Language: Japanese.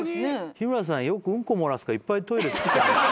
日村さんよくうんこ漏らすからいっぱいトイレ造ってあげて。